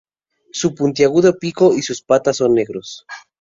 Su puntiagudo pico y sus patas son negros.